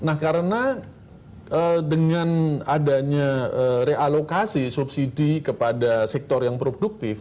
nah karena dengan adanya realokasi subsidi kepada sektor yang produktif